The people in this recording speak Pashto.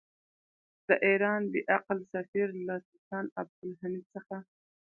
د ایران بې عقل سفیر له سلطان عبدالحمید څخه.